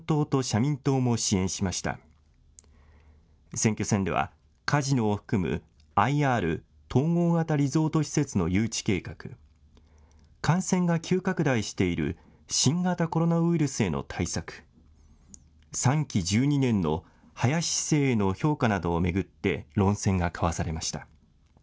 選挙戦では、カジノを含むＩＲ・統合型リゾート施設の誘致計画、感染が急拡大している新型コロナウイルスへの対策、３期１２年の林市政への評価などを巡って論戦が交わされました。